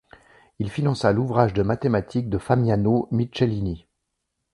Il finança l'ouvrage de mathématiques de Famiano Michelini.